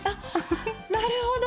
なるほど！